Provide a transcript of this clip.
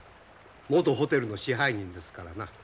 元ホテルの支配人ですからな。